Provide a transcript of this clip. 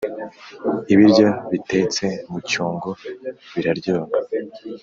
ibiryo bitetse mu cyungo biraryoha